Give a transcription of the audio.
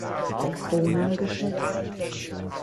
Kronen geschätzt.